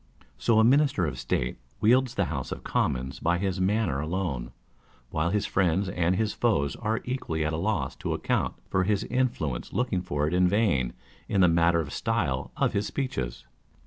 So a Minister of State wields the House of Commons by his manner alone; while his friends and his foes are equally at a loss to account for his influence, looking for it in vain in the matter or style of his speeches.